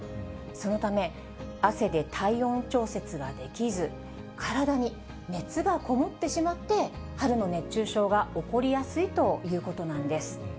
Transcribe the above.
そのため、汗で体温調節ができず、体に熱がこもってしまって、春の熱中症が起こりやすいということなんです。